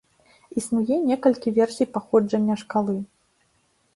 Існуе некалькі версій паходжання шкалы.